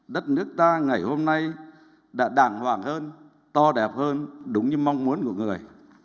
đất nước ta ngày hôm nay đã đàng hoàng hơn to đẹp hơn đúng như mong muốn của người